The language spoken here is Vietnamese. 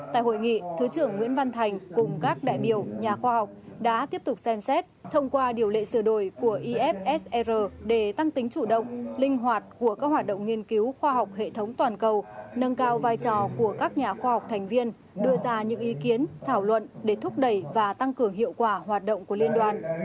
tại hội nghị thứ trưởng nguyễn văn thành cùng các đại biểu nhà khoa học đã tiếp tục xem xét thông qua điều lệ sửa đổi của ifsr để tăng tính chủ động linh hoạt của các hoạt động nghiên cứu khoa học hệ thống toàn cầu nâng cao vai trò của các nhà khoa học thành viên đưa ra những ý kiến thảo luận để thúc đẩy và tăng cường hiệu quả hoạt động của liên đoàn